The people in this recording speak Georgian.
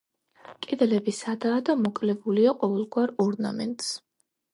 კედლები სადაა და მოკლებულია ყოველგვარ ორნამენტს.